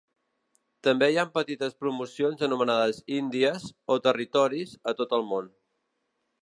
També hi ha petites promocions anomenades "indies" o "territoris" a tot el món.